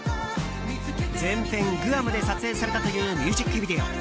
全編グアムで撮影されたというミュージックビデオ。